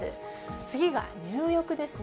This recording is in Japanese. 次が入浴ですね。